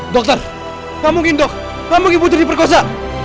dokter gak mungkin dok gak mungkin putri diperkosa